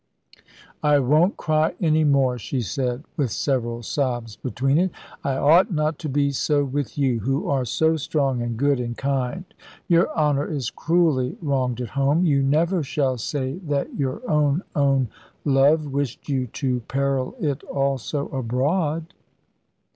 "I won't cry any more," she said, with several sobs between it; "I ought not to be so with you, who are so strong, and good, and kind. Your honour is cruelly wronged at home: you never shall say that your own, own love wished you to peril it also abroad."